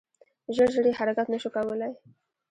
ژر ژر یې حرکت نه شو کولای .